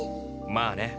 まあね。